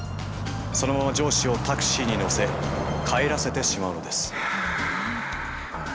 そのまま上司をタクシーに乗せ帰らせてしまうのです。